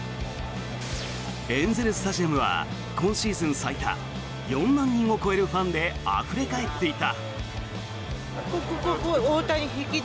エンゼル・スタジアムは今シーズン最多４万人を超えるファンであふれ返っていた。